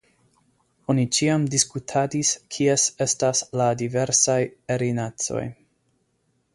Oni ĉiam diskutadis, kies estas la diversaj erinacoj.